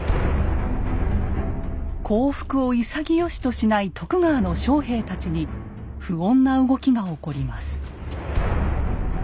降伏を潔しとしない徳川の将兵たちに不穏な動きが起こります。